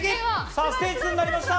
さぁステージ２になりました。